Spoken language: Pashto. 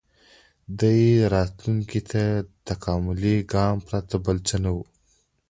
• دې راتلونکي ته د تکاملي ګام پرته بل څه نه و.